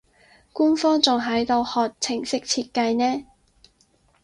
官方仲喺度學程式設計呢